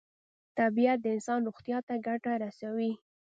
طبیعت د انسان روغتیا ته ګټه رسوي.